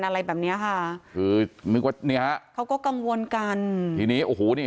อะไรแบบเนี้ยค่ะคือนึกว่าเนี้ยฮะเขาก็กังวลกันทีนี้โอ้โหนี่